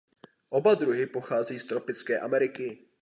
Oba druhy pocházejí z tropické Ameriky.